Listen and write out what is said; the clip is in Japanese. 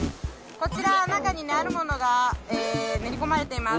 こちらは中にねあるものが練り込まれています。